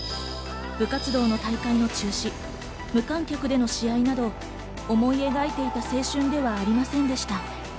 部活動の大会の中止、無観客での試合など思い描いていた青春ではありませんでした。